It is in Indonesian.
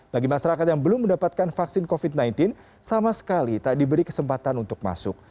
bagi masyarakat yang belum mendapatkan vaksin covid sembilan belas sama sekali tak diberi kesempatan untuk masuk